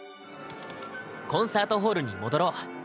コンサートホールに戻ろう。